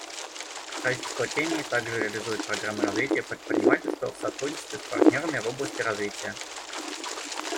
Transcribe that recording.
Правительство Кении также реализует программы развития предпринимательства в сотрудничестве с партнерами в области развития.